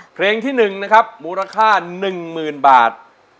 เพลงที่๑นะครับมูลค่า๑๐๐๐บาท